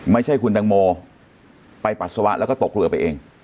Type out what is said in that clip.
ไม่ใช่คุณตังโมไปปัสสาวะแล้วก็ตกเรือไปเอง